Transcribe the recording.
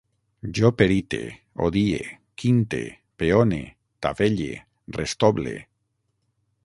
Jo perite, odie, quinte, peone, tavelle, restoble